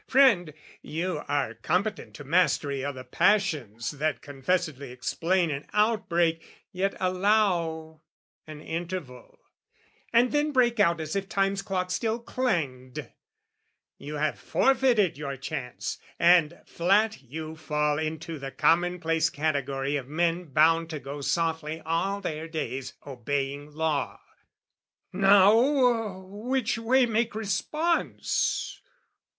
"Friend, you are competent to mastery "O' the passions that confessedly explain "An outbreak, yet allow an interval, "And then break out as if time's clock still clanged. "You have forfeited your chance, and flat you fall "Into the commonplace category "Of men bound to go softly all their days, "Obeying law." Now, which way make response?